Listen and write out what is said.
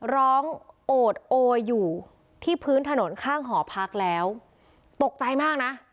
ร้องโอดโออยู่ที่พื้นถนนข้างหอพักแล้วตกใจมากนะ